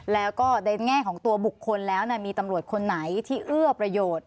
แล้วก็ในแง่ของตัวบุคคลแล้วมีตำรวจคนไหนที่เอื้อประโยชน์